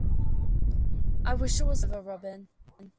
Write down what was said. I wish it was all over, Robin.